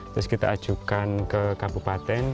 terus kita ajukan ke kabupaten